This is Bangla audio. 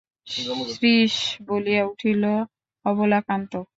শ্রীশ বলিয়া উঠিল, অবলাকান্ত?